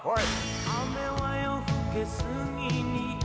「雨は夜更け過ぎに」